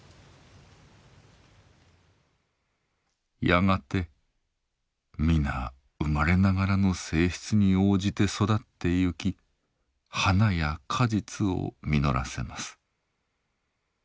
やがて皆生まれながらの性質に応じて育って行き花や果実を実らせます。